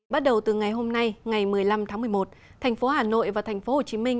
bắt đầu từ ngày hôm nay ngày một mươi năm tháng một mươi một thành phố hà nội và thành phố hồ chí minh